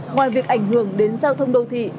ngoài việc ảnh hưởng đến giao thông đô thị